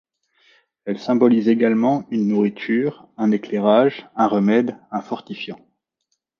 Elle symbolise également une nourriture, un éclairage, un remède, un fortifiant.